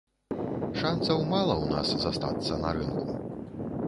Шанцаў мала ў нас застацца на рынку.